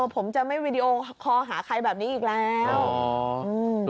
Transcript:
ผมจะไม่วีดีโอคอลหาใครแบบนี้อีกแล้วอืม